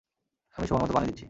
আমি সময়মতো পানি দিচ্ছি।